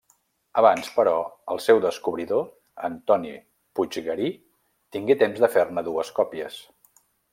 Abans, però, el seu descobridor, Antoni Puiggarí, tingué temps de fer-ne dues còpies.